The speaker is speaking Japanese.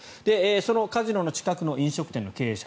そのカジノの近くの飲食店の経営者。